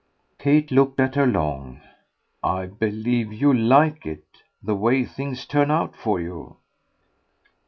Kate looked at her long. "I believe you like it. The way things turn out for you